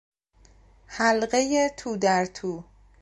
حلقهی تودرتو